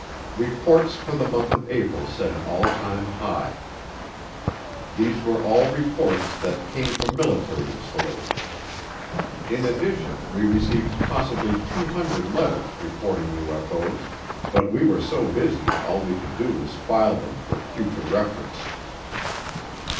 Reports for the month of April set an all time high. These were all reports that came from military installations. In addition, we received possibly two hundred letters reporting UFO's, but we were so busy all we could do was file them for future reference.